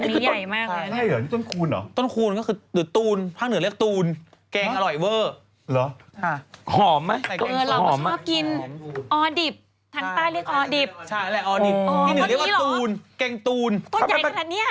เกรงตูนต็นใหญ่ขนาดนี้อะ